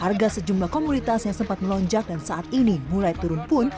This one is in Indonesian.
harga sejumlah komunitas yang sempat melonjak dan saat ini mulai turun pun